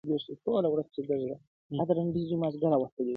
نن دي خیال راته یو ښکلی انعام راوړ,